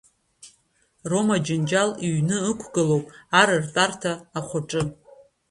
Рома Џьынџьал иҩны ықәгылоуп Ар ртәарҭа ахәаҿы.